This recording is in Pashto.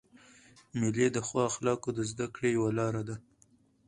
مېلې د ښو اخلاقو د زدهکړي یوه لاره ده.